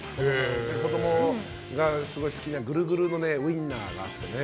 子供がすごい好きなグルグルのウインナーがあってね。